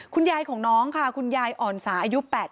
คุณยายของน้องค่ะคุณยายอ่อนสาอายุ๘๐